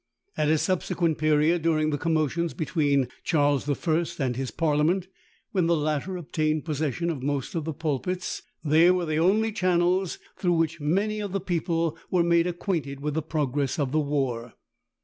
At a subsequent period, during the commotions between Charles I. and his Parliament, when the latter obtained possession of most of the pulpits, they were the only channels through which many of the people were made acquainted with the progress of the war.